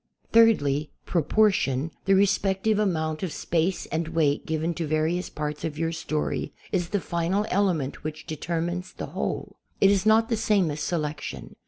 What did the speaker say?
Thirdly, proportion, the respective amount of space and weight given to various parts of your story, is the final element which determines the whole. It is' not the same as selection.